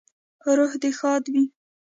روح دې ښاد وي